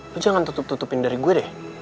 gue jangan tutup tutupin dari gue deh